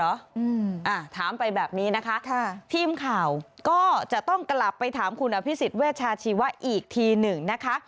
อ่าถามไปแบบนี้นะคะค่ะทีมข่าวก็จะต้องกลับไปถามคุณอภิษฎเวชาชีวะอีกทีหนึ่งนะคะ